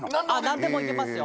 何でもいけますよ